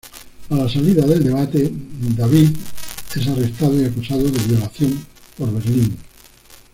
A la salida del debate, David es arrestado y acusado de violación por Berlín.